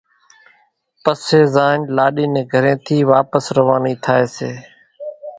پسيَ زاڃ لاڏِي نين گھرين ٿِي واپس روانِي ٿائيَ سي۔